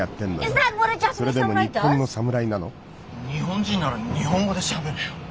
日本人なら日本語でしゃべれよ。